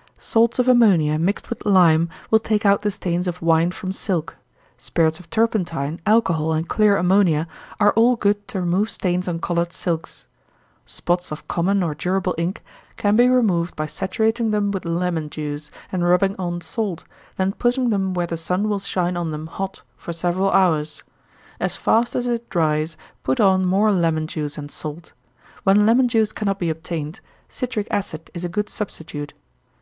_ Salts of ammonia, mixed with lime, will take out the stains of wine from silk. Spirits of turpentine, alcohol, and clear ammonia, are all good to remove stains on colored silks. Spots of common or durable ink can be removed by saturating them with lemon juice, and rubbing on salt, then putting them where the sun will shine on them hot, for several hours. As fast as it dries, put on more lemon juice and salt. When lemon juice cannot be obtained, citric acid is a good substitute.